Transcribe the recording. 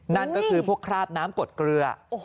นั่นก็คือพวกคราบน้ำกดเกลือ